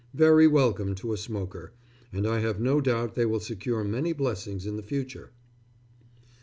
Very welcome to a smoker, and I have no doubt they will secure many blessings in the future....